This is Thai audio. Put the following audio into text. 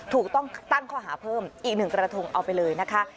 ถูกต้องตั้งข้อหาเพิ่มอีก๑กระทงเอาไปเลยนะคะ